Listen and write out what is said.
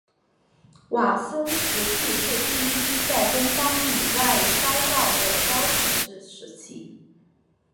迈森瓷器是第一批在东方以外烧造的高品质的瓷器。